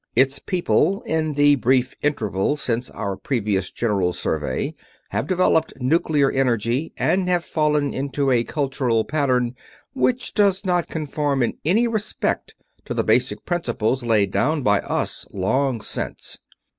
Its people, in the brief interval since our previous general survey, have developed nuclear energy and have fallen into a cultural pattern which does not conform in any respect to the basic principles laid down by us long since.